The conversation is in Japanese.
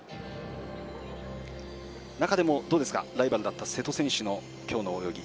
中でも、どうですかライバルだった瀬戸選手の、今日の泳ぎ。